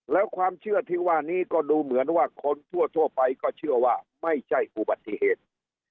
แล้วความเชื่อที่ว่านี้ก็ดูเหมือนว่าคนทั่วไปก็เชื่อว่าไม่ใช่อุบัติเหตุ